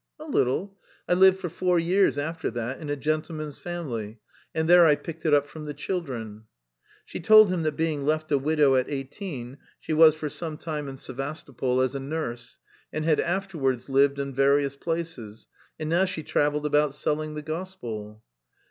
"A little. I lived for four years after that in a gentleman's family, and there I picked it up from the children." She told him that being left a widow at eighteen she was for some time in Sevastopol as a nurse, and had afterwards lived in various places, and now she travelled about selling the gospel.